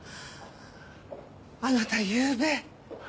あなたゆうべ。